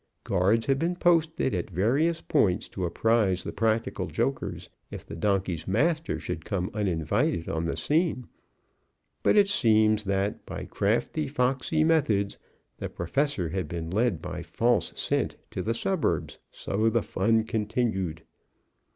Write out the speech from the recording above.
Guards had been posted at various points to apprise the practical jokers, if the donkey's master should come uninvited on the scene, but it seems that, by crafty, foxy methods, the Professor had been led by false scent to the suburbs. So the fun continued.